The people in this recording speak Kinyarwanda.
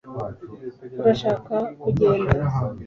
urashaka kugenda